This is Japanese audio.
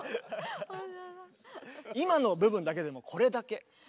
今の部分だけでもこれだけ。